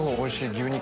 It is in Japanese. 牛肉。